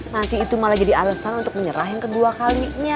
nanti itu malah jadi alasan untuk menyerah yang kedua kalinya